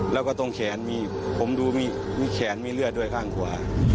แล้วก็ตรงแขนมีผมดูมีแขนมีเลือดด้วยข้างขวา